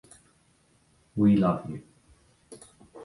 We love you.